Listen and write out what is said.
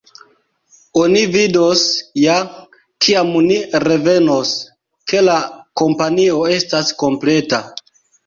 Oni vidos ja, kiam ni revenos, ke la kompanio estas kompleta.